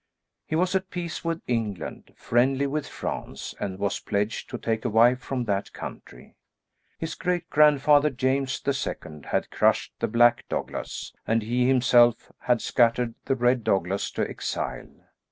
He was at peace with England, friendly with France, and was pledged to take a wife from that country. His great grandfather, James the Second, had crushed the Black Douglas, and he himself had scattered the Red Douglas to exile.